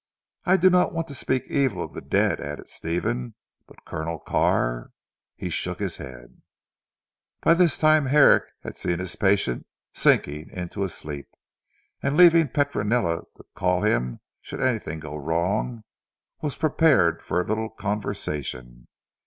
I do not want to speak evil of the dead" added Stephen, "but Colonel Carr " he shook his head. By this time Herrick had seen his patient sinking into a sleep, and leaving Petronella to call him should anything go wrong, was prepared for a little conversation.